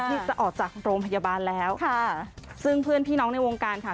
ที่จะออกจากโรงพยาบาลแล้วค่ะซึ่งเพื่อนพี่น้องในวงการค่ะ